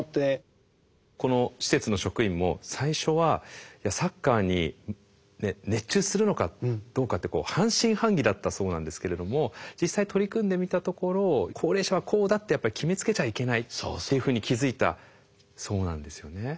この施設の職員も最初はサッカーに熱中するのかどうかって半信半疑だったそうなんですけれども実際取り組んでみたところ高齢者はこうだってやっぱり決めつけちゃいけないっていうふうに気付いたそうなんですよね。